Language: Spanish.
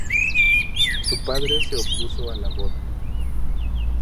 Su padre se opuso a la boda.